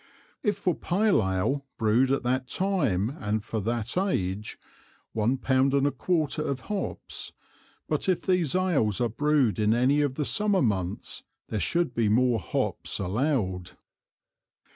If for pale Ale brewed at that time and for that Age, one Pound and a quarter of Hops; but if these Ales are brewed in any of the Summer Months, there should be more Hops allowed.